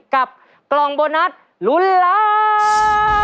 กับกล่องโบนัสลุ้นล้าน